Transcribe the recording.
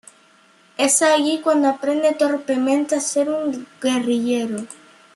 Es allí cuando aprende torpemente a ser un guerrillero.